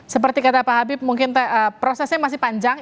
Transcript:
seperti kata pak habib mungkin prosesnya masih panjang